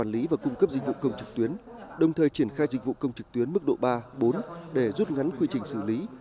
dịch vụ công trực tuyến đồng thời triển khai dịch vụ công trực tuyến mức độ ba bốn để rút ngắn quy trình xử lý